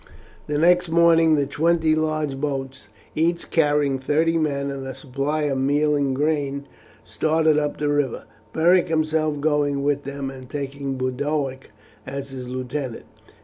The next morning the twenty large boats, each carrying thirty men and a supply of meat and grain, started up the river, Beric himself going with them, and taking Boduoc as his lieutenant.